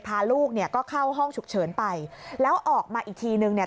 พาลูกเนี่ยก็เข้าห้องฉุกเฉินไปแล้วออกมาอีกทีนึงเนี่ย